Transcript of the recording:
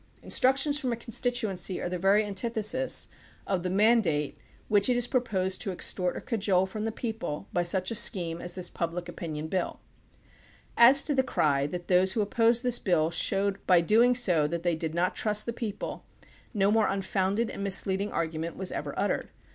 Instructions from a constituency are the very antithesis of the "mandate" which it is proposed to extort or cajole from the people by such a scheme as this Public Opin ion BiU. As to the cry that those who opposed this bill showed by so doing that they did not trust the people, no more unfounded and misleading argument was ever uttered.